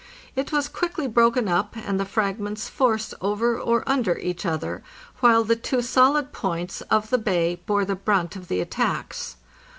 It was quickly broken up, and the fragments forced over or under each other, while the two solid points of the bay bore the brunt of the at tacks.